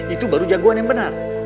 itu baru jagoan yang benar